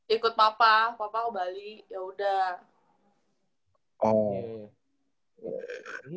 ikut papa ke bali yaudah